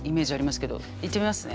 いってみますね。